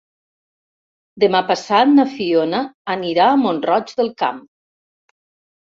Demà passat na Fiona anirà a Mont-roig del Camp.